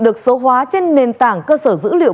được số hóa trên nền tảng cơ sở dữ liệu